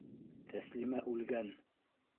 Тәслимә үлгән!